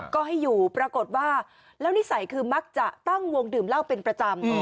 ก็ให้อยู่ปรากฏว่าแล้วนิสัยคือมักจะตั้งวงดื่มเหล้าเป็นประจำ